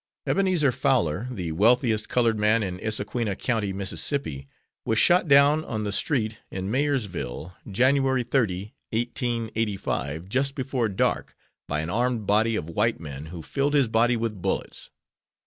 Ebenzer Fowler, the wealthiest colored man in Issaquena County, Miss., was shot down on the street in Mayersville, January 30, 1885, just before dark by an armed body of white men who filled his body with bullets.